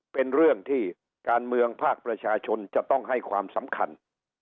เป็นเรื่องที่การเมืองภาคประชาชนจะต้องให้ความสำคัญ